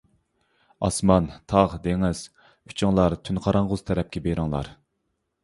ئاسمان، تاغ، دېڭىز ئۈچىڭلار تۈن قاراڭغۇسى تەرەپكە بېرىڭلار.